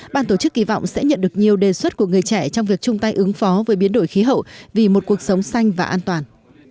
ban tổ chức kỳ vọng sẽ nhận được nhiều đề xuất của người trẻ trong việc chung tay ứng phó với biến đổi khí hậu vì một cuộc sống xanh và an toàn